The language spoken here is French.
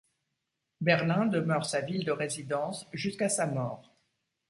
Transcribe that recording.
Berlin demeure sa ville de résidence jusqu'à sa mort.